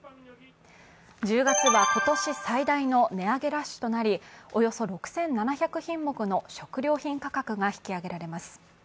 １０月は今年最大の値上げラッシュとなり、およそ６７００品目の食料品価格が引き上げられます。